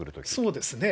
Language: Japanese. そうですね。